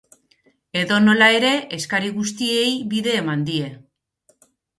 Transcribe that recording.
Edonola ere, eskari guztiei bide eman die.